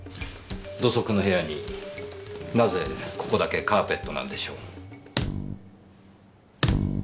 土足の部屋になぜここだけカーペットなんでしょう？